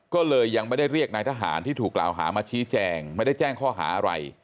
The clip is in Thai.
ก็เลยยังไม่ได้เรียกนายทหารที่ถูกกล่าวหามาชี้แจงไม่ได้แจ้งข้อหาอะไร